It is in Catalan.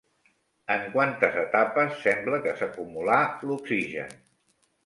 En quantes etapes sembla que s'acumulà l'oxigen?